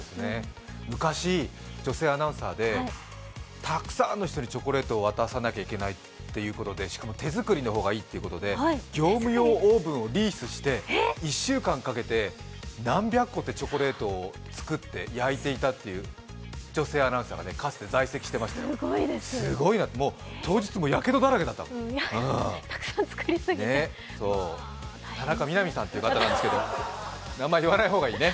昔、女性アナウンサーでたくさんの人にチョコレートを渡さないといけないということでしかも手作りの方がいいということで業務用オーブンをリースして１週間かけて何百個ってチョコレートを作って焼いていたっていう女性アナウンサーがかつて在籍していました、すごいよもう当日、やけどだらけだったもん田中みな実さんって方なんですけどあんまり言わない方がいいね。